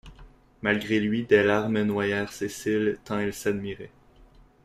Malgré lui, des larmes noyèrent ses cils, tant il s'admirait.